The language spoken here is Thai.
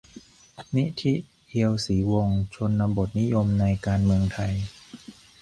นิธิ เอียวศรีวงศ์ : ชนบทนิยมในการเมืองไทย